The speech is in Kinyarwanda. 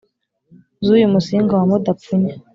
z’uyu musinga wa mudapfunya